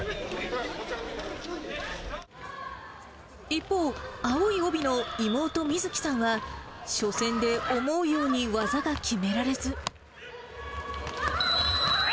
一方、青い帯の妹、美月さんは、初戦で思うように技が決められず。